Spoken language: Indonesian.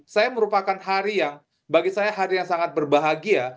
saya merupakan hari yang bagi saya hari yang sangat berbahagia